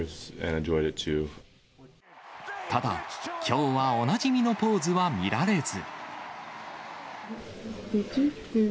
ただ、きょうはおなじみのポーズは見られず。